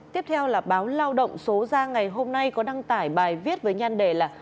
tiếp theo là báo lao động số ra ngày hôm nay có đăng tải bài viết với nhan đề là